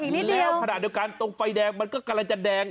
แล้วขณะเดียวกันตรงไฟแดงมันก็กำลังจะแดง